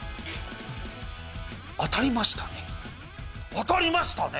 当たりましたね。